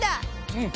うん。